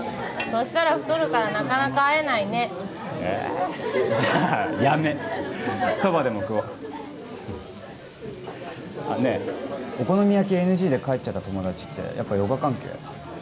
そしたら太るからなかなか会えないねえじゃあやめそばでも食おうねえお好み焼きＮＧで帰っちゃった友達ってやっぱヨガ関係？